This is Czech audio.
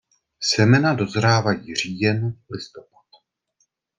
Semena dozrávají říjen–listopad.